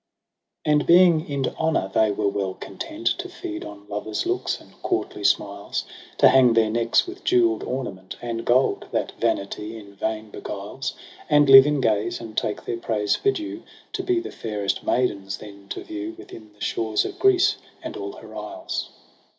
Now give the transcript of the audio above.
And being in honour they were well content To feed on lovers' looks and courtly smiles. To hang their necks with jewel'd ornament. And gold, that vanity in vain beguiles. And live in gaze, and take their praise for due, To be the fairest maidens then to view Within the shores of Greece and all her isles.